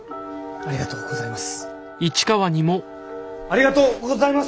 ありがとうございます。